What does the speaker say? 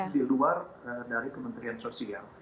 di luar dari kementerian sosial